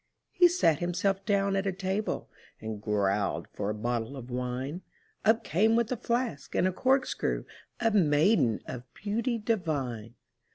He sat himself down at a table, And growled for a bottle of wine; Up came with a flask and a corkscrew A maiden of beauty divine.